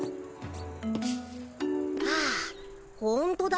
あほんとだ。